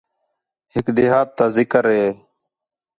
ہِک دیہات تا ذِکر ہِے